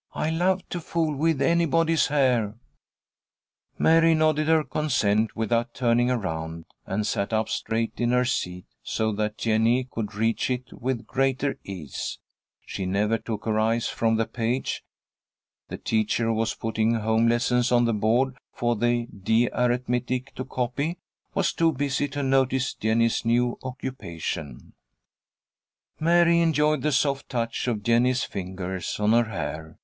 I love to fool with anybody's hair." Mary nodded her consent without turning around, and sat up straight in her seat, so that Jennie could reach it with greater ease. She never took her eyes from the page. The teacher, who was putting home lessons on the board for the D Arithmetic to copy, was too busy to notice Jennie's new occupation. [Illustration: "SHE PROCEEDED WITH A JOYFUL HEART TO PAINT THE AFRICAN LION"] Mary enjoyed the soft touch of Jennie's fingers on her hair.